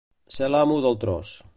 Ser l'amo del tros.